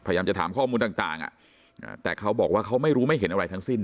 พยายามจะถามข้อมูลต่างแต่เขาบอกว่าเขาไม่รู้ไม่เห็นอะไรทั้งสิ้น